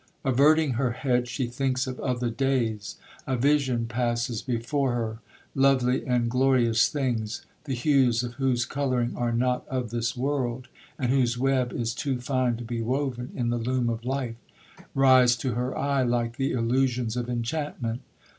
Averting her head, she thinks of other days. A vision passes before her.—Lovely and glorious things, the hues of whose colouring are not of this world, and whose web is too fine to be woven in the loom of life,—rise to her eye like the illusions of enchantment.